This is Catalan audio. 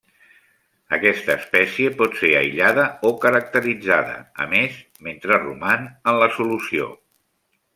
Aquesta espècie pot ser aïllada o caracteritzada, a més, mentre roman en la solució.